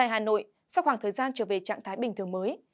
hà nội sau khoảng thời gian trở về trạng thái bình thường mới